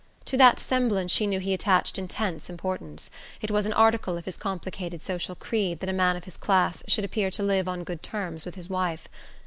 To that semblance she knew he attached intense importance: it was an article of his complicated social creed that a man of his class should appear to live on good terms with his wife.